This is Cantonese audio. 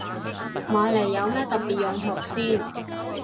買嚟有咩特別用途先